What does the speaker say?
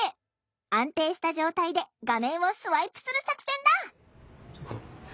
安定した状態で画面をスワイプする作戦だ！